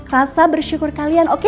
rasa bersyukur kalian oke